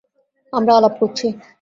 আমরা আলাপ করছি।